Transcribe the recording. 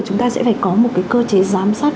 chúng ta sẽ phải có một cái cơ chế giám sát